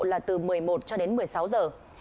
là từ một mươi một cho đến một mươi sáu giờ